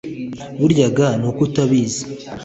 burya ga ni uko utabizi